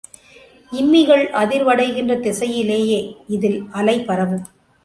இம்மிகள் அதிர்வடைகின்ற திசையிலேயே இதில் அலை பரவும்.